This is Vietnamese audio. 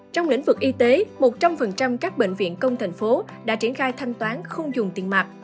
trong lĩnh vực y tế một trăm linh các bệnh viện công thành phố đã triển khai thanh toán không dùng tiền mặt